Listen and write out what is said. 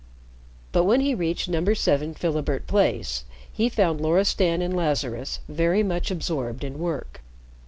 But when he reached No. 7 Philibert Place, he found Loristan and Lazarus very much absorbed in work.